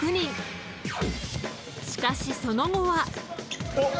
［しかしその後は］